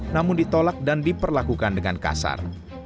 namun ditolak dan diperlakukan dengan kasar